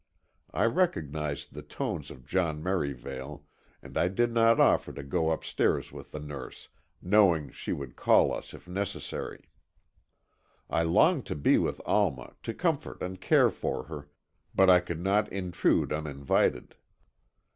I recognized the tones of John Merivale and I did not offer to go upstairs with the nurse, knowing she would call us, if necessary. I longed to be with Alma, to comfort and care for her, but I could not intrude uninvited.